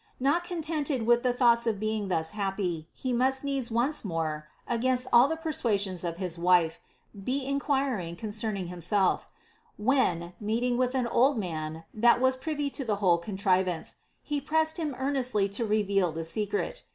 Not contented with the thoughts of being thus happy, he must needs once more (against all the persuasions of his wife) be enquiring con cerning himself; when, meeting with an old man that was privy to the whole contrivance, he pressed him earn estly to reveal the secret.